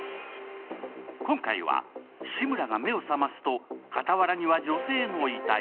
今回は志村が目を覚ますと傍らには女性の遺体。